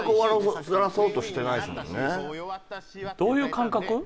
どういう感覚？